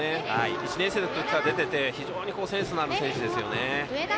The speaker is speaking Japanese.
１年生の時から出ていて非常にセンスのある選手ですよね。